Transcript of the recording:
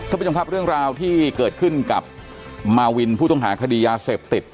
ท่านผู้ชมครับเรื่องราวที่เกิดขึ้นกับมาวินผู้ต้องหาคดียาเสพติด